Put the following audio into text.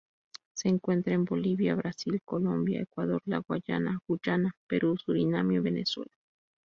Se encuentra en Bolivia, Brasil, Colombia, Ecuador, la Guayana, Guyana, Perú, Surinam y Venezuela.